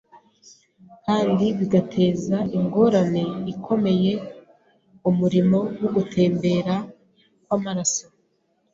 kandi bigateza ingorane ikomeye umurimo wo gutembera kw’amaraso,